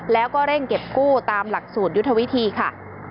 แล้วก็เร่งเก็บกู้ตามหลักสูตรยุทธวิธีค่ะ